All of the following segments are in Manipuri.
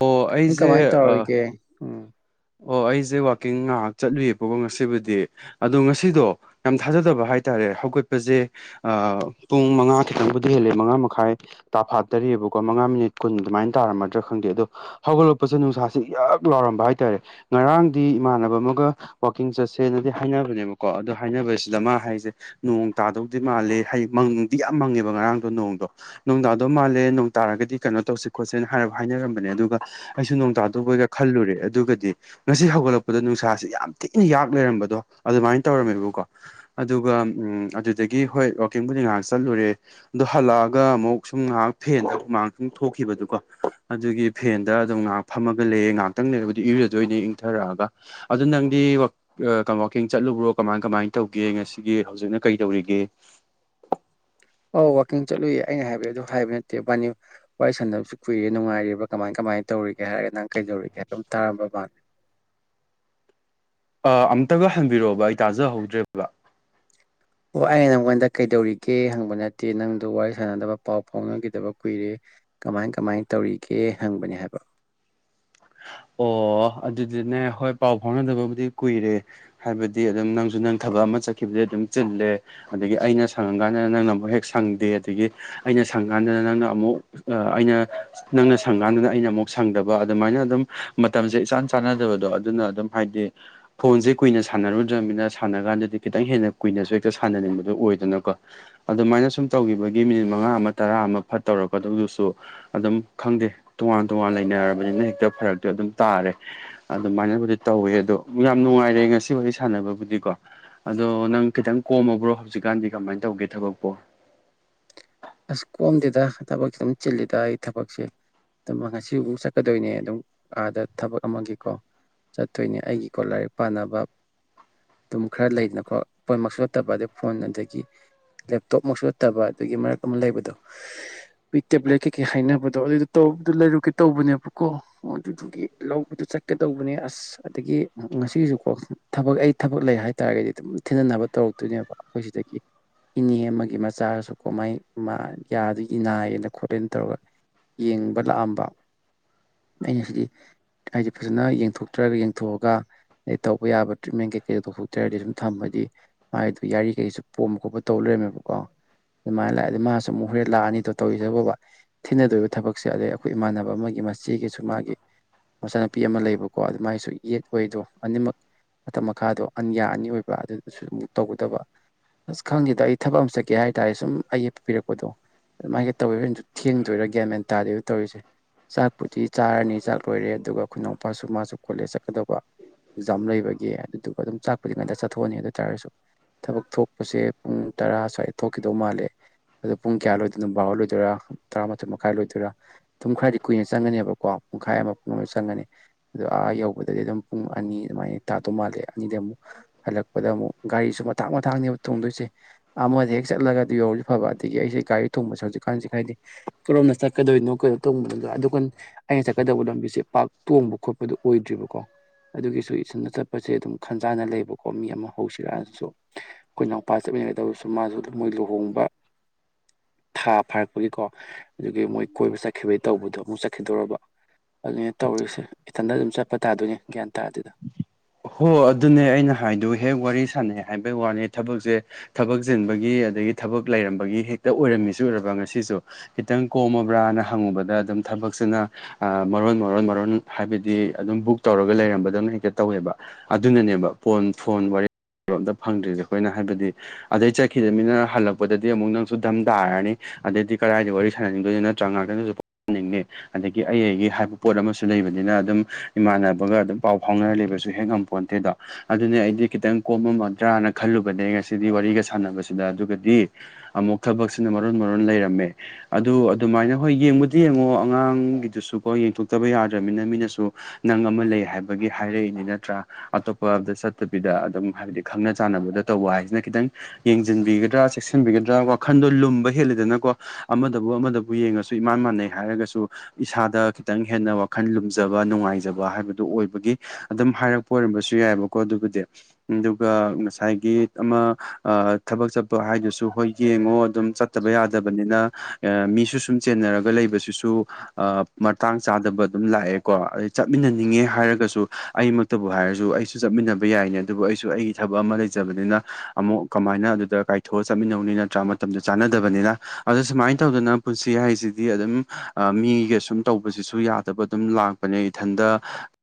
ꯑꯣ ꯅꯪ ꯑꯩꯁꯦ ꯀꯃꯥꯏꯅ ꯑꯥ ꯇꯧꯔꯤꯒꯦ ꯎꯝ ꯑꯣ ꯑꯩꯁꯦ ꯋꯥꯛꯀꯤꯡ ꯉꯥꯍꯥꯛ ꯆꯠꯂꯨꯏꯌꯦꯕꯀꯣ ꯉꯁꯤꯕꯨꯗꯤ ꯑꯗꯣ ꯉꯁꯤꯗꯣ ꯌꯥꯝ ꯊꯥꯖꯗꯕ ꯍꯥꯏꯇꯥꯔꯦ ꯍꯧꯒꯠꯄꯁꯦ ꯑꯥ ꯄꯨꯡ ꯃꯉꯥ ꯈꯤꯇꯪꯕꯨꯗꯤ ꯍꯦꯜꯂꯦ ꯃꯉꯥ ꯃꯈꯥꯏ ꯇꯥꯐꯥꯠꯇꯔꯤꯑꯦꯕꯀꯣ ꯃꯉꯥ ꯃꯤꯅꯤꯠ ꯀꯨꯟ ꯑꯗꯨꯃꯥꯏꯟ ꯇꯥꯔꯝꯃꯗ꯭ꯔꯥ ꯈꯪꯗꯦ ꯑꯗꯣ ꯍꯧꯒꯠꯂꯛꯄꯁꯦ ꯅꯨꯡꯁꯥꯥꯁ ꯌꯛ ꯂꯥꯎꯔꯝꯕ ꯍꯥꯏꯇꯥꯔꯦ ꯉꯔꯥꯡꯗꯤ ꯏꯃꯥꯟꯅꯕ ꯑꯃꯒ ꯋꯥꯋꯥꯛꯀꯤꯡ ꯆꯠꯁꯦꯅꯗꯤ ꯍꯥꯏꯅꯕꯅꯦꯕꯀꯣ ꯑꯗꯣ ꯍꯥꯏꯅꯕꯁꯤꯗ ꯃꯥ ꯍꯥꯏꯁꯦ ꯅꯣꯡ ꯇꯥꯗꯧꯗꯤ ꯃꯥꯜꯂꯦ ꯍꯩ ꯃꯪꯗꯤ ꯌꯥꯝ ꯃꯪꯉꯦꯕ ꯉꯔꯥꯡꯗꯣ ꯅꯣꯡꯗꯣ ꯅꯨꯡꯗꯥꯗꯧ ꯃꯥꯜꯂꯦ ꯅꯣꯡ ꯇꯥꯔꯒꯗꯤ ꯀꯩꯅꯣ ꯇꯧꯁꯦ ꯈꯣꯠꯁꯦꯅ ꯍꯥꯏꯅꯔꯝꯕꯅꯦ ꯑꯗꯨꯒ ꯑꯩꯁꯨ ꯅꯣꯡ ꯇꯥꯗꯧꯕꯩꯒ ꯈꯜꯂꯨꯔꯦ ꯑꯗꯨꯒꯗꯤ ꯉꯁꯤ ꯍꯧꯒꯠꯂꯛꯄꯗ ꯅꯨꯡꯁꯥꯁꯤ ꯌꯥꯝ ꯊꯤꯅ ꯌꯥꯛ ꯂꯩꯔꯝꯕꯗꯣ ꯑꯗꯨꯃꯥꯏꯅ ꯇꯧꯔꯝꯃꯦꯕꯀꯣ ꯑꯗꯨꯒ ꯎ ꯑꯗꯨꯗꯒꯤ ꯍꯣꯏ ꯋꯥꯛꯀꯤꯡꯕꯨꯗꯤ ꯉꯥꯏꯍꯥꯛ ꯆꯠꯂꯨꯔꯦ ꯑꯗꯨ ꯍꯜꯂꯛꯑꯒ ꯑꯃꯨꯛ ꯁꯨꯝ ꯉꯥꯏꯍꯥꯛ ꯐꯦꯟꯗ ꯍꯃꯥꯡ ꯁꯨꯝ ꯊꯣꯛꯈꯤꯕꯗꯨꯀꯣ ꯑꯗꯨꯒꯤ ꯐꯦꯟꯗ ꯑꯗꯨꯝ ꯉꯥꯏꯍꯥꯛ ꯐꯝꯃꯒ ꯂꯩꯌꯦꯦ ꯉꯥꯏꯍꯥꯛꯇꯪ ꯂꯩꯔꯕꯗꯤ ꯏꯔꯗꯣꯏꯅꯦ ꯏꯪꯊꯔꯛꯑꯒ ꯑꯗꯨ ꯅꯪꯗꯤ ꯀꯋꯥꯛꯀꯤꯡ ꯆꯠꯂꯨꯕ꯭ꯔꯣ ꯀꯃꯥꯏ ꯀꯃꯥꯏꯅ ꯇꯧꯒꯦ ꯉꯁꯤꯒꯤ ꯍꯧꯖꯤꯛꯅ ꯀꯩ ꯇꯧꯔꯤꯒꯦ ꯑꯧ ꯋꯥꯋꯥꯛꯀꯤꯡ ꯆꯠꯂꯨꯏ ꯑꯩꯅ ꯍꯥꯏꯕꯏ ꯑꯗꯨ ꯍꯥꯏꯕ ꯅꯠꯇꯦ [unintelligible] ꯋꯥꯔꯤ ꯁꯥꯟꯅꯕꯁꯨ ꯀꯨꯏꯔꯦ ꯉꯥꯏꯔꯤꯕ ꯀꯃꯥꯏ ꯀꯃꯥꯏꯅ ꯇꯧꯔꯤꯒꯦ ꯍꯥꯏꯔꯒ ꯅꯪ ꯀꯩꯗꯧꯔꯤꯒꯦ ꯍꯥꯏꯕꯝ ꯇꯥꯕ ꯃꯥꯥꯟ ꯑꯥ ꯑꯃꯨꯛꯇꯒ ꯍꯟꯕꯤꯔꯛꯑꯣꯕ ꯑꯩ ꯇꯥꯖꯍꯧꯗ꯭ꯔꯦꯕ ꯑꯣ ꯑꯩ ꯅꯪꯉꯣꯟꯗ ꯀꯩꯗꯧꯔꯤꯒꯦ ꯍꯪꯕ ꯅꯠꯇꯦ ꯅꯪꯗ ꯋꯥꯔꯤ ꯁꯥꯟꯅꯗꯕ ꯄꯥꯎ ꯐꯥꯎꯅꯈꯤꯗꯕ ꯀꯨꯏꯔꯦ ꯀꯃꯥꯏ ꯀꯃꯥꯏ ꯇꯧꯔꯤꯒꯦ ꯍꯪꯕꯅꯦ ꯍꯥꯏꯕ ꯑꯣ ꯑꯗꯨꯗꯤꯅꯦ ꯍꯣꯏ ꯄꯥꯎ ꯐꯥꯎꯅꯗꯕꯕꯨꯗꯤ ꯀꯨꯏꯔꯦ ꯍꯥꯏꯕꯗꯤ ꯑꯗꯨꯝ ꯅꯪꯁꯨ ꯅꯪ ꯊꯕꯛ ꯑꯃ ꯆꯠꯈꯤꯕꯗꯤ ꯑꯗꯨꯝ ꯆꯤꯜꯂꯦ ꯑꯗꯒꯤ ꯑꯩꯅ ꯁꯪꯉꯀꯥꯟꯗ ꯅꯪꯅ ꯑꯃꯨꯛ ꯍꯦꯛ ꯁꯪꯗꯦ ꯑꯗꯒꯤ ꯑꯩꯅ ꯁꯪꯉꯀꯥꯟꯗ ꯅꯪꯅ ꯑꯃꯨꯛ ꯑꯥ ꯑꯩꯅ ꯅꯪꯅ ꯁꯪꯀꯥꯟꯗꯨꯗ ꯑꯩꯅ ꯑꯃꯨꯛ ꯁꯪꯗꯕ ꯑꯗꯨꯃꯥꯏꯅ ꯑꯗꯨꯝ ꯃꯇꯝꯁꯦ ꯏꯆꯥꯟ ꯆꯥꯟꯅꯗꯕꯗꯣ ꯑꯗꯨꯅ ꯑꯗꯨꯝ ꯍꯥꯏꯗꯤ ꯐꯣꯟꯁꯦ ꯀꯨꯏꯅ ꯁꯥꯟꯅꯔꯨꯗ꯭ꯔꯕꯅꯤꯅ ꯁꯥꯟꯅ ꯀꯥꯟꯗꯗꯤ ꯈꯤꯇꯪ ꯍꯦꯟꯅ ꯀꯨꯏꯅꯁꯨ ꯍꯦꯛꯇ ꯁꯥꯟꯅꯅꯤꯡꯕꯗꯣ ꯑꯣꯏꯗꯅꯀꯣ ꯑꯗꯨꯃꯥꯏꯅ ꯁꯨꯝ ꯇꯧꯈꯤꯕꯒꯤ ꯃꯤꯅꯤꯠ ꯃꯉꯥ ꯑꯃ ꯇꯔꯥ ꯑꯃ ꯐꯠꯇꯧꯔꯛꯀꯗꯧꯗꯨꯁꯨ ꯑꯗꯨꯝ ꯈꯪꯗꯦ ꯇꯣꯉꯥꯟ ꯇꯣꯉꯥꯟ ꯂꯩꯅꯔꯕꯅꯤꯅ ꯍꯦꯛꯇ ꯐꯔꯛꯇꯤ ꯑꯗꯨꯝ ꯇꯥꯔꯦ ꯑꯗꯨꯃꯥꯏꯅꯕꯨꯗꯤ ꯇꯧꯋꯦ ꯑꯗꯣ ꯌꯥꯝ ꯅꯨꯡꯉꯥꯏꯔꯦ ꯉꯁꯤ ꯋꯥꯔꯤ ꯁꯥꯟꯅꯕꯕꯨꯗꯤꯀꯣ ꯑꯗꯣ ꯅꯪ ꯈꯤꯇꯪ ꯀꯣꯝꯃꯕ꯭ꯔꯣ ꯍꯧꯖꯤꯛꯀꯥꯟꯗꯤ ꯀꯃꯥꯏꯅ ꯇꯧꯒꯦ ꯊꯕꯛꯄꯣ ꯑꯁ ꯀꯣꯝꯗꯦꯗ ꯊꯕꯛꯁꯦ ꯑꯗꯨꯝ ꯆꯤꯜꯂꯤꯗ ꯑꯩ ꯊꯕꯛꯁꯦ ꯉꯁꯤꯃꯨ ꯆꯠꯀꯗꯣꯏꯅꯦ ꯑꯗꯨꯝ ꯑꯥꯗ ꯊꯕꯛ ꯑꯃꯒꯤꯀꯣ ꯆꯠꯇꯣꯏꯅꯦ ꯑꯩꯒꯤꯀꯣ ꯂꯥꯏꯔꯤꯛ ꯄꯥꯅꯕ ꯑꯗꯨꯝ ꯈꯔ ꯂꯩꯗꯅꯀꯣ ꯄꯣꯏꯅꯃꯛꯁꯨ ꯅꯠꯇꯕ ꯑꯗꯩ ꯐꯣꯟ ꯑꯗꯒꯤ ꯂꯦꯞꯇꯣꯞꯃꯨꯛꯁꯨ ꯅꯠꯇꯕ ꯑꯗꯨꯒꯤ ꯃꯔꯛ ꯑꯃ ꯂꯩꯕꯗꯣ ꯄꯤꯛꯇ ꯄꯤꯔꯛꯈꯤꯈ‌ꯦ ꯍꯥꯏꯅꯕꯗ‌ꫭ ꯑꯗꯨꯗ ꯇꯧ ꯂꯩꯔꯨꯀ‌ꯦ ꯇꯧꯕꯅ‌ꯦꯕꯀ‌ꫭ ꯑꯣ ꯑꯗꯨꯗꯨꯒꯤ ꯂꯧꯕꯗꯨ ꯆꯠꯀꯗꯧꯕꯅꯦ ꯑꯁ ꯑꯁ ꯑꯗꯒꯤ ꯉꯁꯤꯒꯤꯁꯨꯀꯣ ꯊꯕꯛ ꯑꯩ ꯊꯕꯛ ꯂꯩ ꯍꯥꯏꯇꯥꯔꯒꯗꯤ ꯑꯗꯨꯝ ꯊꯤꯅꯅꯕ ꯇꯧꯔꯛꯇꯣꯏꯅꯦꯕ ꯑꯩꯈꯣꯏ ꯁꯤꯗꯒꯤ ꯏꯅꯦ ꯑꯃꯒꯤ ꯃꯆꯥꯔꯁꯨ ꯀꯣ ꯃꯥꯏ ꯃꯥ ꯌꯥꯗꯨ ꯅꯥꯏꯌꯦꯅ ꯈꯣꯠꯂꯦꯅ ꯇꯧꯔꯒ ꯌꯦꯡꯕ ꯂꯥꯛꯑꯝꯕ ꯑꯩꯅ ꯁꯤꯗꯤ ꯍꯥꯏꯗꯤ ꯐꯖꯅ ꯌꯦꯡꯊꯣꯛꯇ꯭ꯔꯒ ꯌꯦꯡꯊꯣꯛꯑꯒ ꯑꯗꯩ ꯇꯧꯕ ꯌꯥꯕ ꯇ꯭ꯔꯤꯠꯃꯦꯟ ꯀꯩꯀꯩ ꯇꯧꯊꯣꯛꯇ꯭ꯔꯆꯔꯗꯤ ꯁꯨꯝ ꯊꯝꯃꯗꯤ ꯃꯥꯏꯗꯨ ꯌꯥꯔꯤꯈꯩꯁꯨ ꯄꯣꯝꯕ ꯈꯣꯠꯄ ꯇꯧ ꯂꯩꯔꯝꯃꯦꯕꯀꯣ ꯑꯗꯨꯃꯥꯏꯅ ꯂꯥꯛꯑ ꯑꯗꯩ ꯃꯥꯁꯨ ꯑꯃꯨꯛ ꯍꯣꯔꯦꯟ ꯂꯥꯛꯑꯅꯤꯗꯣ ꯇꯧꯔꯤꯁꯦꯕꯣꯕꯥ ꯊꯤꯅꯗꯣꯏꯔꯤꯕ ꯊꯕꯛꯁꯦ ꯑꯗꯩ ꯑꯩꯈꯣꯏ ꯏꯃꯥꯟꯅꯕ ꯑꯃꯒꯤ ꯃꯆꯦꯒꯤꯁꯨ ꯃꯥꯒꯤ ꯃꯆꯥꯅꯨꯄꯤ ꯑꯃ ꯂꯩꯕꯀꯣ ꯑꯗꯨꯃꯥꯏꯅꯁꯨ ꯌꯦꯠ ꯑꯣꯏꯗꯣ ꯑꯅꯤꯃꯛ ꯃꯇꯝ ꯃꯈꯥꯗꯣ ꯑꯟꯌꯥ ꯑꯅꯤ ꯑꯣꯏꯕ ꯑꯗꯨꯗꯁꯨ ꯑꯗꯨꯨ ꯇꯧꯒꯗꯕ ꯑꯁ ꯈꯪꯉꯦꯗ ꯑꯩ ꯊꯕꯛ ꯑꯃ ꯆꯠꯀꯦ ꯍꯥꯏꯇꯥꯔꯦ ꯁꯨꯝ ꯑꯩ ꯄꯤꯔꯛꯄꯗꯣ ꯑꯗꯨꯃꯥꯏꯒꯤ ꯇꯧꯔꯥꯒ ꯊꯦꯡꯗꯣꯏꯔꯥ ꯒ꯭ꯌꯥ ꯃꯦꯟ ꯇꯥꯗꯣꯏꯕ ꯇꯧꯔꯤꯁꯦ ꯆꯥꯛꯄꯨꯗꯤ ꯆꯥꯔꯅꯤ ꯆꯥꯛ ꯂꯣꯏꯔꯦ ꯑꯗꯨꯒ ꯈ‌ꫭꯏꯅꯥꯎꯄꯥꯁꯨ ꯃꯥꯁꯨ ꯀꯣꯜꯂꯦ ꯆꯠꯀꯗꯧꯕ ꯑꯦꯛꯖꯥꯝ ꯂꯩꯕꯒꯤ ꯑꯗꯨꯗꯨꯒ ꯑꯗꯨꯝ ꯆꯥꯛꯄꯨꯗꯤ ꯉꯥꯛꯇ ꯆꯠꯊꯣꯛꯑꯅꯤ ꯑꯗꯨ ꯑꯣꯏꯇꯥꯥꯔꯒꯁꯨ ꯊꯕꯛ ꯊꯣꯛꯄꯁꯦ ꯄꯨꯡ ꯇꯔꯥ ꯁ꯭ꯋꯥꯏꯗ ꯊꯣꯛꯈꯤꯗꯧ ꯃꯥꯜꯂꯦ ꯑꯗꯣ ꯄꯨꯡ ꯀꯌꯥ ꯂꯣꯏꯗꯣꯏꯅꯣ ꯕꯥꯔꯣ ꯂꯣꯏꯗꯣꯏꯔꯥ ꯇꯔꯥꯃꯊꯣꯏ ꯃꯈꯥꯏ ꯂꯣꯏꯗꯣꯏꯔꯥ ꯇꯨꯝ ꯈꯔꯗꯤ ꯀꯨꯏꯅ ꯆꯪꯒꯅꯦꯕꯀꯣ ꯄꯨꯡꯈꯥꯏ ꯑꯃ ꯄꯨꯡ ꯑꯃ ꯆꯪꯒꯅꯤ ꯑꯗꯣ ꯑꯥ ꯌꯧꯕꯗꯗꯤ ꯑꯗꯨꯝ ꯄꯨꯡ ꯑꯅꯤ ꯑꯗꯨꯃꯥꯏꯅ ꯇꯥꯗꯧ ꯃꯥꯜꯂꯦ ꯑꯅꯤꯗꯤ ꯑꯃꯨꯛ ꯍꯜꯂꯛꯄꯗ ꯑꯃꯨꯛ ꯒꯥꯔꯤꯁꯨ ꯃꯊꯥꯡ ꯃꯊꯥꯡꯅꯦꯕ ꯊꯣꯡꯗꯣꯏꯁꯦ ꯑꯃꯗ ꯍꯦꯛ ꯆꯠꯂꯒ ꯑꯗꯨ ꯌꯧꯔꯖꯨ ꯐꯕ ꯑꯗꯒꯤ ꯑꯩꯁꯦ ꯒꯥꯔꯤ ꯊꯣꯡꯕꯁꯦ ꯍꯧꯖꯤꯛꯀꯥꯟꯁꯦ ꯍꯥꯏꯗꯤ ꯀꯔꯣꯝꯅ ꯆꯠꯀꯗꯣꯏꯅꯣ ꯀꯗꯣ ꯊꯣꯡꯕꯒ ꯑꯗꯣ ꯈꯟ ꯑꯩꯅ ꯆꯠꯀꯗꯧꯕ ꯂꯝꯕꯤꯁꯦ ꯄꯥꯛ ꯇꯣꯡꯕ ꯈꯣꯠꯄꯗꯨ ꯑꯣꯏꯗ꯭ꯔꯤꯕꯀꯣ ꯑꯗꯨꯒꯤꯁꯨ ꯏꯁꯟꯗ ꯆꯠꯄꯁꯦ ꯑꯗꯨꯝ ꯈꯟꯖꯥꯟꯅ ꯂꯩꯕꯀꯣ ꯃꯤ ꯑꯃ ꯍꯧꯁꯤꯔꯥꯟꯁꯨ ꯑꯈꯣꯏ ꯅꯥꯎꯄꯥ ꯆꯠꯃꯤꯟꯅꯒꯗꯕꯁꯨ ꯃꯥꯁꯨ ꯃꯣꯏ ꯂꯨꯍꯣꯡꯕ ꯊꯥ ꯐꯥꯔꯛꯄꯒꯤꯀꯣ ꯑꯗꯨꯒꯤ ꯃꯣꯏ ꯀꯣꯏꯕ ꯆꯠꯈꯤꯕꯒꯤ ꯇꯧꯕꯗꯣ ꯑꯃꯨꯛ ꯆꯠꯈꯤꯗꯣꯔꯔꯕ ꯑꯗꯨꯅꯦ ꯇꯧꯔꯤꯁꯦ ꯏꯊꯟꯇ ꯑꯗꯨꯝ ꯆꯠꯄ ꯇꯥꯗꯣꯏꯅꯦ ꯒ꯭ꯌꯥꯟ ꯇꯥꯗꯦꯗ ꯍꯣ ꯑꯗꯨꯅꯦ ꯑꯩꯅ ꯍꯥꯏꯗꯨ ꯍꯦꯛ ꯋꯥꯔꯤ ꯁꯥꯟꯅꯩ ꯍꯥꯏꯕꯩ ꯋꯥꯅꯤ ꯊꯕꯛꯁꯦ ꯊꯕꯛ ꯆꯤꯟꯕꯒꯤ ꯑꯗꯒꯤ ꯊꯕꯛ ꯂꯩꯔꯝꯕꯒꯤ ꯍꯦꯛꯇ ꯑꯣꯏꯔꯝꯃꯤꯁꯨ ꯑꯣꯏꯔꯕ ꯉꯁꯤꯁꯨ ꯈꯤꯇꯪ ꯀꯣꯝꯃꯕ꯭ꯔꯥꯅ ꯍꯪꯉꯨꯕꯗ ꯑꯗꯨꯝ ꯊꯕꯛꯁꯤꯅ ꯑ ꯃꯔꯣꯟ ꯃꯔꯣꯟ ꯃꯔꯣꯟ ꯍꯥꯏꯕꯗꯤ ꯑꯗꯨꯝ ꯕꯨꯛ ꯇꯧꯔꯒ ꯂꯩꯔꯝꯕꯗꯧꯅ ꯍꯦꯛꯇ ꯇꯧꯋꯦꯕ ꯑꯗꯨꯅꯅꯦꯕ ꯄꯣꯟ ꯐꯣꯟ ꯋꯥꯔꯤ ꯑꯝꯇ ꯐꯪꯗ꯭ꯔꯤꯁꯦ ꯑꯈꯣꯏꯅ ꯍꯥꯏꯕꯗꯤ ꯑꯗꯩ ꯆꯠꯈꯤꯗꯃꯤꯅ ꯍꯜꯂꯛꯄꯗꯗꯤ ꯑꯃꯨꯛ ꯅꯪꯁꯨ ꯙꯝ ꯇꯥꯔꯅꯤ ꯑꯗꯩꯗꯤ ꯀꯔꯥꯏꯗ ꯋꯥꯔꯤ ꯁꯥꯟꯅꯅꯤꯡꯗꯣꯏꯅꯣ ꯅꯠꯇ꯭ꯔꯒ ꯉꯥꯛꯇꯗꯁꯨꯍꯟꯅꯤꯡꯉꯤ ꯑꯗꯒꯤ ꯑꯩ ꯑꯩꯒꯤ ꯍꯥꯏꯕ ꯄꯣꯠ ꯑꯃꯁꯨ ꯂꯩꯕꯅꯤꯅ ꯑꯗꯨꯝ ꯏꯃꯥꯟꯅꯕꯒ ꯑꯗꯨꯝ ꯄꯥꯎ ꯐꯥꯎꯅꯔ ꯂꯩꯕꯁꯨ ꯍꯦꯛ ꯉꯝꯄꯣꯟꯇꯦꯗꯣ ꯑꯗꯨꯅꯦ ꯑꯩꯗꯤ ꯈꯤꯇꯪ ꯀꯣꯝꯃꯝꯃꯗ꯭ꯔꯥꯅ ꯈꯜꯂꯨꯕꯅꯦ ꯉꯁꯤꯗꯤ ꯋꯥꯔꯤꯒ ꯁꯥꯟꯅꯕꯁꯤꯗ ꯑꯗꯨꯒꯗꯤ ꯑꯃꯨꯛ ꯊꯕꯛꯁꯤꯅ ꯃꯔꯣꯟ ꯃꯔꯣꯟ ꯂꯩꯔꯝꯃꯦ ꯑꯗꯨ ꯑꯗꯨꯃꯥꯏꯅ ꯍꯣꯏ ꯌꯦꯡꯕꯨꯗꯤ ꯌꯦꯡꯉꯣ ꯑꯉꯥꯡꯒꯤꯗꯨꯁꯨꯀꯣ ꯌꯦꯡꯊꯣꯛꯇꯕ ꯌꯥꯗ꯭ꯔꯃꯤꯅ ꯃꯤꯅꯁꯨ ꯅꯪ ꯑꯃ ꯂꯩ ꯍꯥꯏꯕꯒꯤ ꯍꯥꯏꯔꯛꯏꯅꯤ ꯅꯠ ꯇ꯭ꯔꯥ ꯑꯇꯣꯞꯄ ꯑꯃꯗ ꯆꯠꯇꯕꯤꯗ ꯑꯗꯨꯝ ꯍꯥꯏꯕꯗꯤ ꯈꯪꯅ ꯆꯥꯟꯅꯕꯗ ꯇꯧꯕ ꯍꯥꯏꯁꯤꯅ ꯈꯤꯇꯪ ꯌꯦꯡꯁꯤꯟꯕꯤꯒꯗ꯭ꯔꯥ ꯆꯦꯛꯁꯤꯟꯕꯤꯒꯗ꯭ꯔꯥ ꯋꯥꯈꯟꯗꯣ ꯂꯨꯝꯕ ꯍꯦꯜꯂꯤꯗꯅꯀꯣ ꯑꯃꯗꯕꯨ ꯑꯃꯗꯕꯨ ꯌꯦꯡꯉꯁꯨ ꯏꯃꯥꯟ ꯃꯥꯟꯅꯩ ꯍꯥꯏꯔꯒꯁꯨ ꯏꯁꯥꯗ ꯈꯤꯇꯪ ꯍꯦꯟꯅ ꯋꯥꯈꯜ ꯂꯨꯝꯖꯕ ꯅꯨꯡꯉꯥꯏꯖꯕ ꯍꯥꯏꯕꯗꯨ ꯑꯣꯏꯕꯒꯤ ꯑꯗꯨꯝ ꯍꯥꯏꯔꯛꯄ ꯑꯣꯏꯔꯝꯕꯁꯨ ꯌꯥꯏꯑꯕꯀꯣ ꯑꯗꯨꯕꯨꯗꯤ ꯑꯗꯨꯒ ꯉꯁꯥꯏꯒꯤ ꯑꯃ ꯑ ꯊꯕꯛ ꯆꯠꯄ ꯍꯥꯏꯗꯨꯁꯨ ꯍꯣꯏ ꯌꯦꯡꯉꯣ ꯑꯗꯨꯝ ꯆꯠꯇꯕ ꯌꯥꯗꯕꯅꯤꯅ ꯑ ꯃꯤꯁꯨ ꯁꯨꯝ ꯆꯦꯟꯅꯔꯒ ꯂꯩꯕꯁꯤꯁꯨ ꯑ ꯃꯇꯥꯡ ꯆꯥꯗꯕ ꯑꯗꯨꯝ ꯂꯥꯛꯑꯦꯀꯣ ꯑꯗꯩ ꯆꯠꯃꯤꯟꯅꯅꯤꯡꯉꯦ ꯍꯥꯏꯔꯒꯁꯨ ꯑꯩ ꯇꯕꯨ ꯍꯥꯏꯔꯁꯨ ꯑꯩꯁꯨ ꯆꯠꯃꯤꯟꯅꯕ ꯌꯥꯏꯅꯦ ꯑꯗꯨꯕꯨ ꯑꯩꯁꯨ ꯑꯩꯒꯤ ꯊꯕꯛ ꯑꯃ ꯂꯩꯖꯕꯅꯤꯅ ꯑꯃꯨꯛ ꯀꯃꯥꯏꯅ ꯑꯗꯨꯗ ꯀꯥꯏ ꯊꯣꯛꯑ ꯆꯠꯃꯤꯟꯅꯧꯅꯤ ꯅꯠꯇ꯭ꯔꯥ ꯃꯇꯝꯗ ꯆꯥꯟꯅꯗꯕꯅꯤꯅ ꯑꯗꯨ ꯁꯨꯃꯥꯏꯟ ꯇꯧꯗꯅ ꯄꯨꯟꯁꯤ ꯍꯥꯏꯁꯤꯗꯤ ꯑꯗꯨꯝ ꯑ ꯃꯤꯒ ꯁꯨꯝ ꯇꯧꯕꯁꯤꯁꯨ ꯌꯥꯗꯕ ꯑꯗꯨꯝ ꯂꯥꯛꯄꯅꯦ ꯏꯊꯟꯗ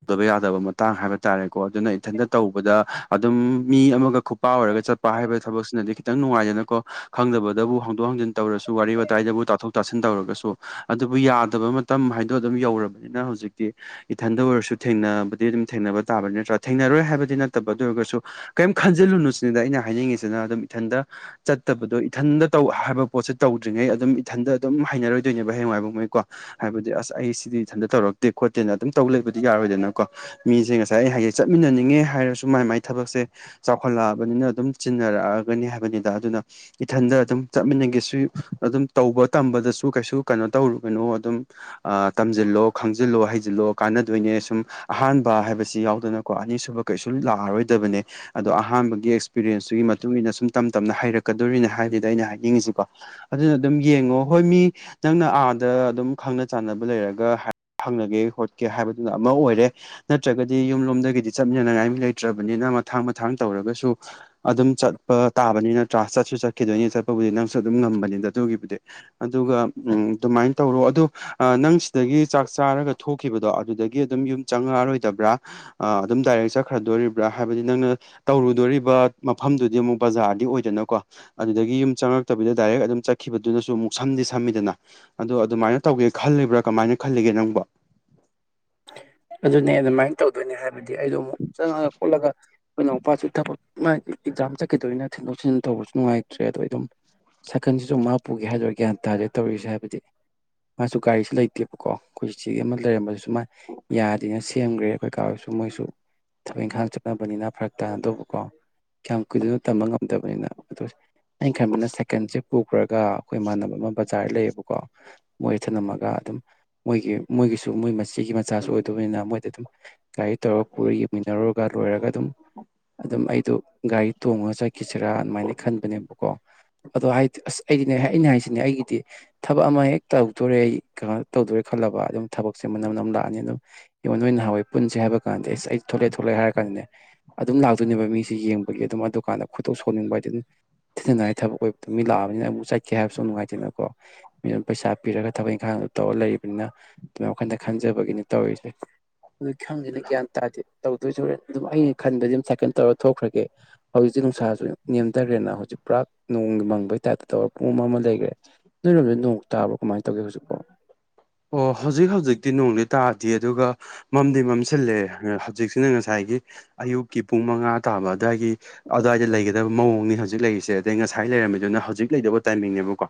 ꯇꯧꯗꯕ ꯌꯥꯗꯕ ꯃꯇꯥꯡ ꯍꯥꯏꯕ ꯇꯥꯔꯦꯀꯣ ꯑꯗꯨꯅ ꯏꯊꯟꯇ ꯇꯧꯕꯗ ꯑꯗꯨꯝ ꯃꯤ ꯑꯃꯒ ꯈꯨꯄꯥ ꯑꯣꯏꯔꯒ ꯆꯠꯄ ꯍꯥꯏꯕ ꯊꯕꯛꯁꯤꯅꯗꯤ ꯈꯤꯇꯪ ꯅꯨꯡꯉꯥꯏꯗꯅꯀꯣ ꯈꯪꯗꯕꯗꯕꯨ ꯍꯥꯡꯗꯣꯛ ꯍꯥꯡꯖꯤꯟ ꯇꯧꯔꯁꯨ ꯋꯥꯔꯤ ꯋꯥꯇꯥꯏꯗꯕꯨ ꯇꯥꯊꯣꯛ ꯇꯥꯁꯤꯟ ꯇꯧꯔꯒꯁꯨ ꯑꯗꯨꯕꯨ ꯌꯥꯗꯕ ꯃꯇꯝ ꯍꯥꯏꯗꯣ ꯑꯗꯨꯝ ꯌꯧꯔꯕꯅꯤꯅ ꯍꯧꯖꯤꯛꯇꯤ ꯏꯊꯟꯗ ꯑꯣꯏꯔꯁꯨ ꯊꯦꯡꯅꯕꯗꯤ ꯑꯗꯨꯝ ꯊꯦꯡꯅꯕ ꯇꯥꯕꯅꯤ ꯅꯠꯇ꯭ꯔꯥ ꯊꯦꯡꯅꯔꯣꯏ ꯍꯥꯏꯕꯗꯤ ꯅꯠꯇꯕ ꯑꯗꯨ ꯑꯣꯏꯔꯒꯁꯨ ꯀꯩꯝ ꯈꯟꯖꯤꯜꯂꯨꯅꯨ ꯁꯤꯅꯤꯗ ꯑꯩꯅ ꯍꯥꯏꯅꯤꯡꯉꯤꯁꯤꯅ ꯑꯗꯨꯝ ꯏꯊꯟꯇ ꯆꯠꯇꯕꯗꯣ ꯏꯊꯟꯗ ꯇꯧ ꯍꯥꯏꯕ ꯄꯣꯠꯁꯦ ꯇꯧꯗ꯭ꯔꯤꯉꯩ ꯑꯗꯨꯝ ꯏꯊꯟꯗ ꯑꯗꯨꯝ ꯍꯩꯅꯔꯣꯏꯗꯣꯏꯅꯦꯕ ꯍꯌꯦꯡꯋꯥꯥꯏꯕꯥꯎꯉꯩꯀꯣ ꯍꯥꯏꯕꯗꯤ ꯑꯁ ꯑꯩ ꯁꯤꯗꯤ ꯏꯊꯟꯇ ꯇꯧꯔꯛꯇꯦ ꯈꯣꯠꯇꯦꯅ ꯑꯗꯨꯝ ꯇꯧ ꯂꯩꯕꯗꯤ ꯌꯥꯔꯣꯏꯗꯅꯀꯣ ꯃꯤꯁꯦ ꯉ ꯁꯥꯏ ꯑꯩ ꯍꯥꯏꯖꯦ ꯆꯠꯃꯤꯟꯅꯅꯤꯡꯉꯦ ꯍꯥꯏꯔꯁꯨ ꯃꯥꯏ ꯃꯥꯏ ꯊꯕꯛꯁꯦ ꯆꯥꯎꯈꯠꯂꯛꯑꯕꯅꯤꯅ ꯑꯗꯨꯝ ꯆꯤꯟꯅꯔꯛꯑꯒꯅꯤ ꯍꯥꯏꯕꯅꯤꯗ ꯑꯗꯨꯅ ꯏꯊꯟꯗ ꯑꯗꯨꯝ ꯆꯠꯃꯤꯟꯅꯒꯦꯁꯨ ꯑꯗꯨꯝ ꯇꯧꯕ ꯇꯝꯕꯗꯁꯨ ꯀꯩꯁꯨ ꯀꯩꯅꯣ ꯇꯧꯔꯨꯒꯤꯅꯣ ꯑꯗꯨꯝ ꯑꯥ ꯇꯝꯖꯤꯜꯂꯣ ꯈꯪꯖꯤꯜꯂꯣ ꯍꯩꯖꯤꯜꯂꯣ ꯀꯥꯟꯅꯗꯣꯏꯅꯦ ꯁꯨꯝ ꯑꯍꯥꯟꯕ ꯍꯥꯏꯕ ꯑꯁꯤ ꯌꯥꯎꯗꯅꯀꯣ ꯑꯅꯤꯁꯨꯕ ꯀꯩꯁꯨ ꯂꯥꯛꯑꯔꯣꯏꯗꯕꯅꯦ ꯑꯗꯣ ꯑꯍꯥꯟꯕꯒꯤ ꯑꯦꯛꯁꯄꯤꯔꯦꯟꯁꯇꯨꯒꯤ ꯑꯗꯣ ꯑꯍꯥꯟꯕꯒꯤ ꯑꯦꯛꯁꯄꯤꯔꯤꯌꯦꯟꯁꯇꯨꯒꯤ ꯃꯇꯨꯡ ꯏꯟꯅ ꯁꯨꯝ ꯇꯝ ꯇꯝꯅ ꯍꯩꯔꯛꯀꯗꯣꯔꯤꯅꯦ ꯍꯥꯏꯗꯨꯅꯦ ꯑꯩꯅ ꯍꯥꯏꯅꯤꯡꯉꯤꯁꯤꯀꯣ ꯑꯗꯨꯅ ꯑꯗꯨꯝ ꯌꯦꯡꯉꯣ ꯍꯣꯏ ꯃꯤ ꯅꯪꯅ ꯑꯥꯗ ꯑꯗꯨꯝ ꯈꯪꯅ ꯆꯥꯟꯅꯕ ꯂꯩꯔꯒ ꯍꯥꯏ ꯍꯪꯅꯒꯦ ꯈꯣꯠꯀꯦ ꯍꯥꯏꯕꯗꯨꯅ ꯑꯃ ꯑꯣꯏꯔꯦ ꯅꯠ ꯇ꯭ꯔꯒꯗꯤ ꯌꯨꯝ ꯂꯣꯝꯗꯒꯤꯗꯤ ꯆꯠꯃꯤꯟꯅꯅꯉꯥꯏ ꯃꯤ ꯂꯩꯇ꯭ꯔꯥꯕꯅꯤꯅ ꯃꯊꯥꯡ ꯃꯊꯥꯡ ꯇꯧꯔꯒꯁꯨ ꯑꯗꯨꯝ ꯆꯠꯄ ꯇꯥꯕꯅꯤ ꯅꯠꯇ꯭ꯔꯥ ꯆꯠꯁꯨ ꯆꯠꯈꯤꯗꯣꯏꯅꯤ ꯆꯠꯄꯕꯨꯗꯤ ꯅꯪꯁꯨ ꯑꯗꯨꯝ ꯉꯝꯕꯅꯤꯗ ꯑꯗꯨꯒꯤꯕꯨꯗꯤ ꯑꯗꯨꯒ ꯎꯝ ꯑꯗꯨꯃꯥꯏ ꯇꯧꯔꯣ ꯑꯗꯨ ꯑꯥ ꯅꯪ ꯁꯤꯗꯒꯤ ꯆꯥꯛ ꯆꯥꯔꯒ ꯊꯣꯛꯈꯤꯕꯗꯣ ꯑꯗꯨꯗꯒꯤ ꯑꯗꯨꯝ ꯌꯨꯝ ꯆꯪꯉꯛꯑꯔꯣꯏ ꯗꯕ꯭ꯔꯥ ꯑꯥ ꯑꯗꯨꯝ ꯗꯥꯏꯔꯦꯛ ꯆꯠꯈ꯭ꯔꯥꯗꯣꯔꯤꯕ꯭ꯔꯥ ꯍꯥꯏꯕꯗꯤ ꯅꯪꯅ ꯇꯧꯔꯨꯗꯣꯔꯤꯕ ꯃꯐꯝꯗꯨꯗꯤ ꯑꯃꯨꯛ ꯕꯖꯥꯔꯗꯤ ꯑꯣꯏꯗꯅꯀꯣ ꯑꯗꯨꯗꯒꯤ ꯌꯨꯝ ꯆꯪꯉꯛꯇꯕꯤꯗ ꯗꯥꯏꯔꯦꯛ ꯑꯗꯨꯝ ꯆꯠꯈꯤꯕꯗꯨꯅꯁꯨ ꯑꯃꯨꯛ ꯁꯝꯗꯤ ꯁꯝꯃꯤꯗꯅ ꯑꯗꯣ ꯑꯗꯨꯃꯥꯏꯅ ꯇꯧꯒꯦ ꯈꯜꯂꯤꯕ꯭ꯔꯥ ꯀꯃꯥꯏꯅ ꯈꯜꯂꯤꯒꯦ ꯅꯪꯕꯣ ꯑꯗꯨꯅꯦ ꯑꯗꯨꯃꯥꯏꯅ ꯇꯧꯗꯣꯏꯅꯦ ꯍꯥꯏꯕꯗꯤ ꯑꯩꯗꯣ ꯑꯃꯨꯛ ꯆꯪꯉꯛꯑꯥ ꯈꯣꯠꯂꯒ ꯑꯩꯈꯣꯏ ꯅꯥꯎꯄꯥꯁꯨ ꯊꯕꯛ ꯃꯥ ꯑꯦꯛꯖꯥꯝ ꯆꯠꯈꯤꯗꯣꯏꯅ ꯊꯤꯟꯗꯣꯛ ꯊꯤꯟꯖꯤꯟ ꯇꯧꯕꯁꯨ ꯅꯨꯡꯉꯥꯏꯇ꯭ꯔꯦ ꯑꯗꯣ ꯑꯩ ꯑꯗꯨꯝ ꯁꯥꯏꯀꯜꯁꯤꯁꯨ ꯃꯥ ꯄꯨꯒꯦ ꯍꯥꯏꯗꯣꯏꯔꯥ ꯒ꯭ꯌꯥꯟ ꯇꯥꯗꯦ ꯇꯧꯔꯤꯁꯦ ꯍꯥꯏꯕꯗꯤ ꯃꯥꯁꯨ ꯒꯥꯔꯤꯁꯦ ꯂꯩꯇꯦꯕꯀꯣ ꯑꯩꯈꯣꯏ ꯆꯤꯆꯦꯒꯤ ꯑꯃ ꯂꯩꯔꯝꯕꯗꯨꯁꯨ ꯃꯥꯏ ꯌꯥꯗꯦꯅ ꯁꯦꯝꯒ꯭ꯔꯦ ꯑꯩꯈꯣꯏ ꯀꯥ ꯍꯣꯏꯁꯨ ꯃꯣꯏꯁꯨ ꯊꯕꯛ ꯏꯪꯈꯥꯡ ꯆꯠꯅꯕꯅꯤꯅ ꯐꯔꯛ ꯇꯥꯅꯗꯧꯕꯀꯣ ꯀꯌꯥꯝ ꯀꯨꯏꯗꯣꯏꯅꯣ ꯇꯝꯕ ꯉꯝꯗꯕꯅꯤꯅ ꯑꯗꯨ ꯑꯩ ꯈꯟꯕꯅ ꯁꯥꯏꯀꯟꯁꯦ ꯄꯨꯈ꯭ꯔꯥꯒ ꯑꯩꯈꯣꯏ ꯏꯃꯥꯟꯅꯕ ꯑꯃ ꯕꯖꯥꯔ ꯂꯩꯌꯦꯕꯀꯣ ꯃꯣꯏ ꯊꯅꯝꯃꯥꯒ ꯑꯗꯨꯝ ꯃꯣꯏꯒꯤ ꯃꯣꯏꯒꯤꯁꯨ ꯃꯣꯏ ꯃꯆꯦꯒꯤ ꯃꯆꯥꯁꯨ ꯑꯣꯏꯗꯧꯕꯅꯤꯅ ꯃꯣꯏꯗ ꯑꯗꯨꯝ ꯒꯥꯔꯤ ꯇꯧꯔꯒ ꯄꯨꯔ ꯌꯦꯡꯃꯤꯟꯅꯔꯨꯔꯒ ꯂꯣꯏꯔꯒ ꯑꯗꯨꯝ ꯑꯗꯨꯝ ꯑꯩꯗꯣ ꯒꯥꯔꯤ ꯇꯣꯡꯉꯒ ꯆꯠꯈꯤꯁꯤꯔꯥ ꯑꯗꯨꯃꯥꯏꯅ ꯈꯟꯕꯅꯦꯕꯀꯣ ꯑꯗꯣ ꯍꯥꯏꯗꯤ ꯑꯁ ꯑꯩꯗꯤꯅꯦ ꯑꯩꯅ ꯍꯥꯏꯁꯤꯅꯦ ꯑꯩꯒꯤꯗꯤ ꯊꯕꯛ ꯑꯃ ꯍꯦꯛ ꯇꯧꯗꯣꯔꯦ ꯀꯩꯅꯣ ꯇꯧꯗꯣꯔꯦ ꯈꯜꯂꯕ ꯑꯗꯨꯝ ꯊꯕꯛꯁꯦ ꯃꯅꯝ ꯅꯝ ꯂꯥꯛ ꯍꯥꯏꯗꯤ ꯑꯗꯨꯝ ꯑꯣꯏ ꯅꯍꯥꯟ ꯋꯥꯏ ꯄꯨꯟꯁꯦ ꯍꯥꯏꯕ ꯀꯥꯟꯗꯤ ꯑꯁ ꯑꯩ ꯊꯣꯛꯂꯦ ꯊꯣꯛꯂꯛꯑꯦ ꯍꯥꯏꯔ ꯀꯥꯟꯗꯅꯦ ꯑꯗꯨꯝ ꯂꯥꯛꯇꯣꯏꯅꯦꯕ ꯃꯤꯁꯦ ꯌꯦꯡꯕꯒꯤ ꯑꯗꯨꯝ ꯑꯗꯨꯀꯥꯟꯗ ꯈꯣꯏꯗꯧ ꯁꯧꯅꯤꯡꯕ ꯍꯥꯏꯗꯤ ꯑꯗꯨꯝ ꯊꯦꯡꯊꯅꯤꯡꯉꯥꯏ ꯊꯕꯛ ꯑꯣꯏꯕꯅ ꯃꯤ ꯂꯥꯛꯑꯕꯅꯤꯅ ꯑꯃꯨꯛ ꯆꯠꯀꯦ ꯍꯥꯏꯕꯁꯨ ꯅꯨꯡꯉꯥꯏꯇꯦꯅꯀꯣ ꯃꯤꯅ ꯄꯩꯁꯥ ꯄꯤꯔꯒ ꯊꯕꯛ ꯏꯪꯈꯥꯡꯗꯨꯝ ꯇꯧꯔꯥ ꯂꯩꯔꯤꯕꯅꯤꯅ ꯑꯗꯨꯃꯥꯏꯅ ꯋꯥꯈꯟꯗ ꯈꯟ ꯈꯟꯖꯕꯒꯤꯅꯤ ꯇꯧꯔꯤꯁꯦ ꯑꯗꯨ ꯈꯪꯗꯦꯅꯦ ꯒ꯭ꯌꯥꯟ ꯇꯥꯗꯦ ꯇꯧꯗꯣꯏꯁꯦ ꯍꯣꯔꯦꯟ ꯑꯗꯨꯝ ꯑꯩꯅ ꯈꯟꯕꯗꯤ ꯑꯗꯨꯝ ꯁꯥꯏꯀꯜ ꯇꯧꯔꯥ ꯊꯣꯛꯈ꯭ꯔꯥꯒꯦ ꯍꯧꯖꯤꯛꯁꯤ ꯅꯨꯡꯁꯥꯁꯨ ꯅꯦꯝꯗꯔꯦꯅ ꯍꯧꯖꯤꯛ ꯄꯨꯔꯥ ꯅꯣꯡ ꯃꯪꯕꯒꯤ ꯇꯥꯏꯞꯇ ꯇꯧꯔꯒ ꯄꯨꯡꯃꯝ ꯃꯝꯃꯒ ꯂꯩꯒꯔꯦ ꯅꯣꯏꯔꯣꯝꯗ ꯅꯣꯡ ꯇꯥꯕ꯭ꯔꯣ ꯀꯃꯥꯏ ꯇꯧꯒꯦ ꯍꯧꯖꯤꯛꯄꯣ ꯑꯣ ꯍꯧꯖꯤꯛ ꯍꯧꯖꯤꯛꯇꯤ ꯅꯣꯡꯗꯤ ꯇꯥꯗꯤꯌꯦ ꯑꯗꯨꯒ ꯃꯝꯗꯤ ꯃꯝꯁꯤꯜꯂꯦ ꯍꯧꯖꯤꯛꯁꯤꯅ ꯉꯁꯥꯏꯒꯤ ꯑꯌꯨꯛꯀꯤ ꯄꯨꯡ ꯃꯉꯥ ꯇꯥꯕ ꯑꯗꯥꯏꯒꯤ ꯑꯗꯨꯋꯥꯏꯗ ꯂꯩꯒꯗꯕ ꯃꯑꯣꯡꯅꯤ ꯍꯧꯖꯤꯛ ꯂꯩꯔꯤꯁꯦ ꯑꯗꯩ ꯉꯁꯥꯏ ꯂꯩꯔꯝꯃꯤꯗꯨꯅ ꯍꯧꯖꯤꯛ ꯂꯩꯗꯧꯕ ꯇꯥꯏꯃꯤꯡꯅꯦꯕꯀꯣ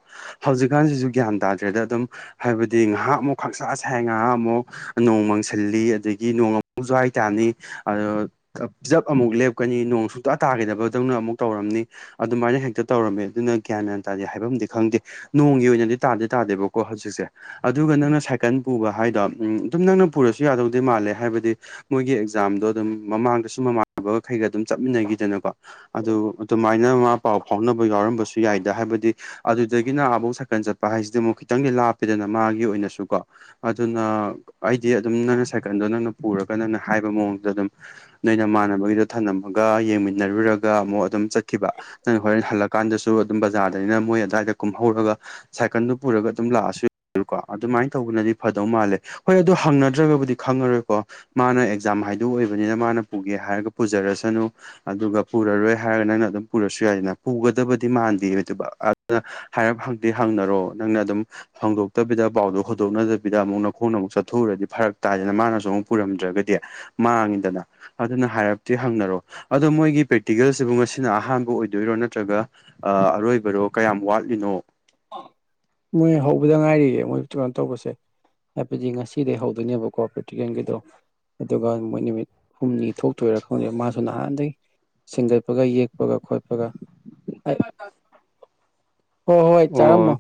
ꯍꯧꯖꯤꯛꯀꯥꯟꯁꯤꯁꯨ ꯒ꯭ꯌꯥꯟ ꯇꯥꯗ꯭ꯔꯦꯗ ꯑꯗꯨꯝ ꯍꯥꯏꯕ ꯗꯤ ꯉꯥꯍꯥꯛ ꯑꯃꯨꯛ ꯈꯪꯁꯥ ꯁꯥꯏ ꯉꯥꯍꯥꯛ ꯑꯃꯨꯛ ꯅꯣꯡ ꯃꯥꯡꯁꯤꯜꯂꯤ ꯑꯗꯒꯤ ꯅꯣꯡ ꯑꯃꯨꯛ ꯖꯋꯥꯏ ꯇꯥꯅꯤ ꯑꯗꯣ ꯆꯞ ꯑꯃꯨꯛ ꯂꯦꯞꯀꯅꯤ ꯅꯣꯡ ꯁꯨꯡꯇ ꯇꯥꯒꯤꯗꯕꯗꯧꯅ ꯑꯃꯨꯛ ꯇꯧꯔꯝꯅꯤ ꯑꯗꯨꯃꯥꯏꯅ ꯍꯦꯛꯇ ꯇꯧꯔꯝꯃꯦ ꯑꯗꯨꯅ ꯒ꯭ꯌꯥꯟ ꯌꯥꯝ ꯇꯥꯗꯦ ꯍꯥꯏꯕꯝꯗꯤ ꯈꯪꯗꯦ ꯅꯣꯡꯒꯤ ꯑꯣꯏꯅꯗꯤ ꯇꯥꯗꯤ ꯇꯥꯗꯦꯕꯀꯣ ꯍꯧꯖꯤꯛꯁꯦ ꯑꯗꯨꯒ ꯅꯪꯅ ꯁꯥꯏꯀꯜ ꯄꯨꯕ ꯍꯥꯏꯗꯣ ꯎꯝ ꯑꯗꯨꯝ ꯅꯪꯅ ꯄꯨꯔꯁꯨ ꯌꯥꯗꯧꯗꯤ ꯃꯥꯜꯂꯦ ꯍꯥꯏꯕꯗꯤ ꯃꯣꯏꯒꯤ ꯑꯦꯛꯖꯥꯝꯗꯣ ꯑꯗꯨꯝ ꯃꯃꯥꯡꯗꯁꯨ ꯃꯃꯥꯟꯅꯕꯈꯩꯒ ꯑꯗꯨꯝ ꯆꯠꯃꯤꯟꯅꯈꯤꯗꯅꯀꯣ ꯑꯗꯨ ꯑꯗꯨꯃꯥꯏꯅ ꯃꯥ ꯄꯥꯎ ꯐꯥꯎꯅꯕ ꯌꯥꯎꯔꯝꯕꯁꯨ ꯌꯥꯏꯗ ꯍꯥꯏꯕꯗꯤ ꯑꯗꯨꯗꯒꯤꯅ ꯑꯕꯣꯛ ꯁꯥꯏꯀꯜ ꯆꯠꯄ ꯍꯥꯏꯁꯤꯗꯤ ꯑꯃꯨꯛ ꯈꯤꯇꯪꯗꯤ ꯂꯥꯞꯄꯦꯗꯅ ꯃꯥꯒꯤ ꯑꯣꯏꯅꯁꯨ ꯀꯣ ꯑꯗꯨꯅ ꯑꯩꯗꯤ ꯑꯗꯨꯝ ꯅꯪꯅ ꯁꯥꯏꯀꯜꯗꯣ ꯅꯪꯅ ꯄꯨꯔꯒ ꯅꯪꯅ ꯍꯥꯏꯕ ꯃꯑꯣꯡꯗ ꯑꯗꯨꯝ ꯅꯣꯏ ꯅꯃꯥꯟꯅꯕꯒꯤꯗ ꯊꯝꯂꯝꯃꯒ ꯌꯦꯡꯃꯤꯟꯅꯔꯨꯔꯒ ꯑꯃꯨꯛ ꯑꯗꯨꯝ ꯆꯠꯈꯤꯕ ꯅꯪ ꯍꯣꯔꯦꯟ ꯍꯜꯂꯛꯑꯥ ꯀꯥꯟꯗꯁꯨ ꯑꯗꯨꯝ ꯕꯖꯥꯔꯗꯩꯅ ꯃꯣꯏ ꯑꯗꯥꯏꯗ ꯀꯨꯝꯍꯧꯔꯒ ꯁꯥꯏꯀꯜꯗꯨ ꯄꯨꯔꯒ ꯑꯗꯨꯝ ꯂꯥꯛꯑꯁꯨ ꯑꯗꯨ ꯀꯣ ꯑꯗꯨꯃꯥꯏꯅ ꯇꯧꯕꯅꯗꯤ ꯐꯗꯧ ꯃꯥꯜꯂꯦ ꯍꯣꯏ ꯑꯗꯨ ꯍꯪꯅꯗ꯭ꯔꯒꯕꯨꯗꯤ ꯈꯪꯉꯔꯣꯏꯀꯣ ꯃꯥꯅ ꯑꯦꯛꯖꯥꯝ ꯍꯥꯏꯗꯣ ꯑꯣꯏꯕꯅꯤꯅ ꯃꯥꯅ ꯄꯨꯒꯦ ꯍꯥꯏꯔꯒ ꯄꯨꯖꯔꯁꯅꯨ ꯑꯗꯨꯒ ꯄꯨꯔꯔꯣꯏ ꯍꯥꯏꯔꯒ ꯅꯪꯅ ꯑꯗꯨꯝ ꯄꯨꯔꯁꯨ ꯌꯥꯏꯅ ꯄꯨꯒꯗꯕꯗꯤ ꯃꯥꯟꯗꯦ ꯑꯗꯨ ꯑꯗꯨꯅ ꯍꯥꯏꯔꯞ ꯍꯪꯗꯤ ꯍꯪꯅꯔꯣ ꯅꯪꯅ ꯑꯗꯨꯝ ꯍꯪꯗꯣꯛꯇꯕꯤꯗ ꯄꯥꯎꯗꯣ ꯍꯧꯗꯣꯛꯅꯗꯕꯤꯗ ꯑꯃꯨꯛ ꯅꯈꯣꯡꯅ ꯑꯃꯨꯛ ꯆꯠꯊꯣꯛꯎꯔꯗꯤ ꯐꯔꯛ ꯇꯥꯏꯗꯅ ꯃꯥꯅꯁꯨ ꯑꯃꯨꯛ ꯄꯨꯔꯝꯗ꯭ꯔꯒꯗꯤ ꯃꯥꯡꯉꯤꯗꯅ ꯑꯗꯨꯅ ꯍꯥꯏꯔꯞꯇꯤ ꯍꯪꯅꯔꯣ ꯑꯗꯣ ꯃꯣꯏꯒꯤ ꯄ꯭ꯔꯦꯛꯇꯤꯀꯦꯜꯁꯤꯕꯨ ꯉꯁꯤꯅ ꯑꯍꯥꯟꯕ ꯑꯣꯏꯗꯣꯏꯔꯣ ꯅꯠꯇ꯭ꯔꯒ ꯑ ꯑꯔꯣꯏꯕꯔꯣ ꯀꯌꯥꯝ ꯋꯥꯠꯂꯤꯅꯣ ꯃꯣꯏ ꯍꯧꯕꯗ ꯉꯥꯏꯔꯤꯌꯦ ꯃꯣꯏ ꯀꯩꯅꯣ ꯇꯧꯕꯁꯦ ꯍꯥꯏꯕꯗꯤ ꯉꯁꯤꯗꯩ ꯍꯧꯗꯣꯏꯅꯦꯕꯀꯣ ꯄ꯭ꯔꯦꯛꯇꯤꯀꯦꯜꯒꯤꯗꯣ ꯑꯗꯨꯒ ꯃꯣꯏ ꯅꯨꯃꯤꯠ ꯍꯨꯝꯅꯤ ꯊꯣꯛꯇꯣꯏꯔꯥ ꯈꯪꯗꯦ ꯃꯥꯁꯨ ꯅꯍꯥꯟꯗꯒꯤ ꯁꯤꯟꯒꯠꯄꯒ ꯌꯦꯛꯄꯒ ꯈꯣꯠꯄꯒ ꯍꯣꯏ ꯍꯣꯏ ꯑꯣ ꯆꯥꯔꯝꯃꯣ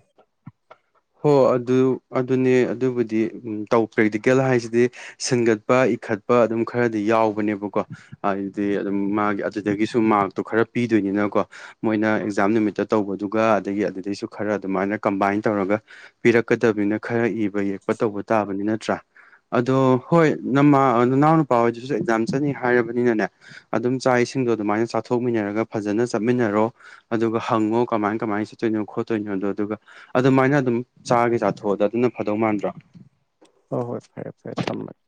ꯍꯣ ꯑꯗꯨ ꯑꯗꯨꯅꯦ ꯑꯗꯨꯕꯨꯗꯤ ꯇꯧ ꯄ꯭ꯔꯦꯛꯇꯤꯀꯦꯜ ꯍꯥꯏꯁꯤꯗꯤ ꯁꯤꯟꯒꯠꯄ ꯏꯈꯠꯄ ꯑꯗꯨꯝ ꯈꯔꯗꯤ ꯌꯥꯎꯕꯅꯦꯕꯀꯣ ꯍꯥꯏꯗꯤ ꯑꯗꯨꯝ ꯃꯥꯒꯤ ꯑꯗꯨꯗꯒꯤꯁꯨ ꯃꯥꯔꯛꯇꯣ ꯈꯔ ꯄꯤꯗꯣꯏꯅꯤꯅꯀꯣ ꯃꯣꯏꯅ ꯑꯦꯛꯖꯥꯝ ꯅꯨꯃꯤꯠꯇ ꯇꯧꯕꯗꯨꯒ ꯑꯗꯒꯤ ꯑꯗꯨꯗꯩꯁꯨ ꯈꯔ ꯑꯗꯨꯃꯥꯏꯅ ꯀꯝꯕꯥꯏꯟ ꯇꯧꯔꯒ ꯄꯤꯔꯛꯀꯗꯕꯅꯤꯅ ꯈꯔ ꯏꯕ ꯌꯦꯛꯄ ꯇꯧꯕ ꯇꯥꯕꯅꯤ ꯅꯠꯇ꯭ꯔꯥ ꯑꯗꯣ ꯍꯣꯏ ꯅꯃꯥ ꯅꯅꯥꯎ ꯅꯨꯄꯥ ꯍꯣꯏꯗꯨꯁꯨ ꯑꯦꯛꯖꯥꯝ ꯆꯠꯅꯤ ꯍꯥꯏꯔꯕꯅꯤꯅꯅꯦ ꯑꯗꯨꯝ ꯆꯥꯛ ꯏꯁꯤꯡꯗꯣ ꯑꯗꯨꯃꯥꯏꯅ ꯆꯥꯊꯣꯛꯃꯤꯟꯅꯔꯒ ꯐꯖꯅ ꯆꯠꯃꯤꯟꯅꯔꯣ ꯑꯗꯨꯒ ꯍꯪꯉꯣ ꯀꯃꯥꯏ ꯀꯃꯥꯏꯅ ꯆꯠꯇꯣꯏꯅꯣ ꯈꯣꯠꯇꯣꯏꯅꯣꯗꯣ ꯑꯗꯨꯒ ꯑꯗꯨꯃꯥꯏꯅ ꯑꯗꯨꯝ ꯆꯥꯒꯦ ꯆꯥꯊꯣꯛꯑꯣꯗ ꯑꯗꯨꯅ ꯐꯗꯧ ꯃꯥꯟꯗ꯭ꯔꯣ ꯍꯣꯏ ꯍꯣꯏ ꯐꯔꯦ ꯐꯔꯦ ꯊꯝꯃꯒꯦ